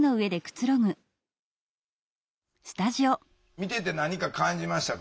見てて何か感じましたか？